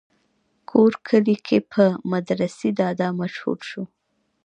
کور کلي کښې پۀ مدرسې دادا مشهور شو